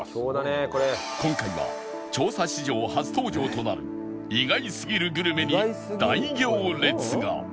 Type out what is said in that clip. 今回は調査史上初登場となる意外すぎるグルメに大行列が